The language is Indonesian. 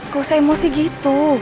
kok usah emosi gitu